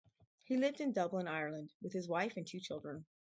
He lived in Dublin, Ireland with his wife and two children.